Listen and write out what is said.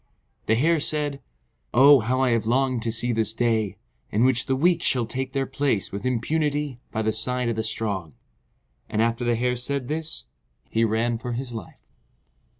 The Hare said, "Oh, how I have longed to see this day, in which the weak shall take their place with impunity by the side of the strong." And after the Hare said this, he ran for his life.